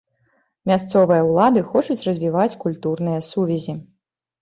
Мясцовыя ўлады хочуць развіваць культурныя сувязі.